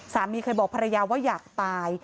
สามีเคยบอกภรรยาว่าอยากตาย